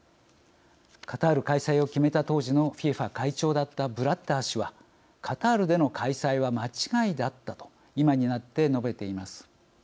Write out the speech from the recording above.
カタール開催を決めた当時のＦＩＦＡ会長だったブラッター氏は「カタールでの開催は間違いだった」と今になって述べています。